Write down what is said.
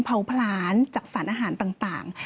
เผาผลาญจากสารอาหารต่าง